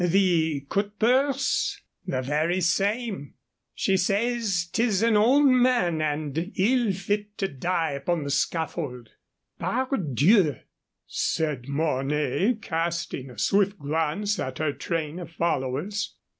"The cutpurse?" "The very same. She says 'tis an old man and ill fit to die upon the scaffold." "Pardieu!" said Mornay, casting a swift glance at her train of followers.